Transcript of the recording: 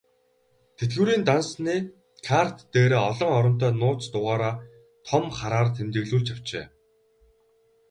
Тэтгэврийн дансны карт дээрээ олон оронтой нууц дугаараа том хараар тэмдэглүүлж авчээ.